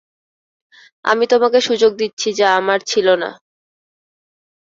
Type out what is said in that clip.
আমি তোমাকে সুযোগ দিচ্ছি, যা আমার ছিল না।